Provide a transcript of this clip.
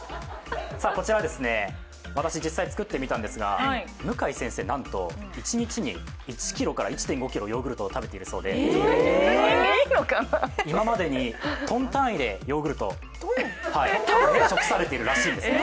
私、実際作ってみたんですが向井先生、なんと一日に１ｋｇから１．５ｋｇヨーグルトを食べているそうで、今までにトン単位でヨーグルトを食されているらしいです。